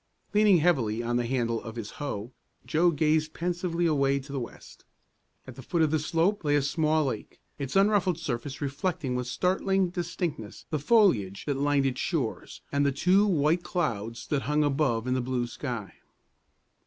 Leaning heavily on the handle of his hoe, Joe gazed pensively away to the west. At the foot of the slope lay a small lake, its unruffled surface reflecting with startling distinctness the foliage that lined its shores, and the two white clouds that hung above in the blue sky.